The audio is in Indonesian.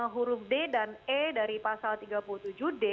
huruf d dan e dari pasal tiga puluh tujuh d